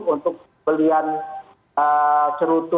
untuk pilihan cerutu